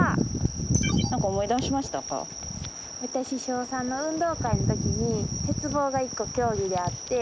私小３の運動会の時に鉄棒が一個競技であって。